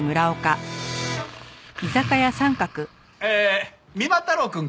ええ三馬太郎くん